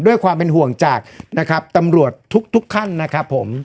ด้วยความเป็นห่วงจากนะครับตำรวจทุกท่านนะครับผม